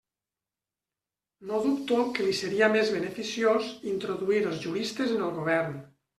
No dubto que li seria més beneficiós introduir els juristes en el govern.